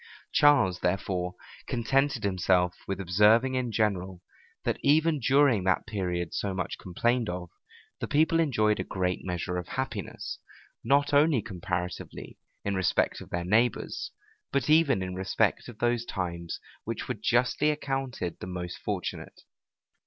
Charles, therefore, contented himself with observing in general, that even during that period so much complained of, the people enjoyed a great measure of happiness, not only comparatively, in respect of their neighbors, but even in respect of those times which were justly accounted the most fortunate.